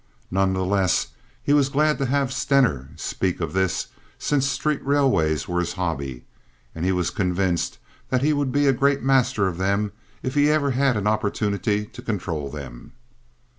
None the less he was glad to have Stener speak of this, since street railways were his hobby, and he was convinced that he would be a great master of them if he ever had an opportunity to control them.